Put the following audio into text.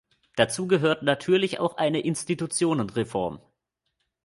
Dazu gehört natürlich auch eine Institutionenreform.